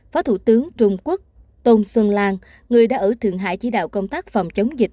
phó thủ tướng trung quốc tôn xuân lan người đã ở thượng hải chỉ đạo công tác phòng chống dịch